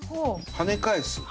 跳ね返す。